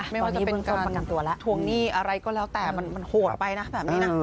ไม่ว่าจะเป็นการประกันตัวแล้วทวงหนี้อะไรก็แล้วแต่มันโหดไปนะแบบนี้นะ